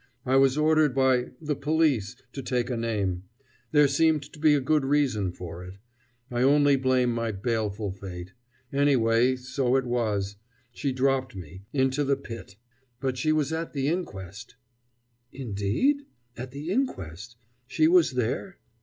I was ordered by the police to take a name. There seemed to be good reason for it. I only blame my baleful fate. Anyway, so it was. She dropped me into the Pit. But she was at the inquest " "Indeed? At the inquest. She was there.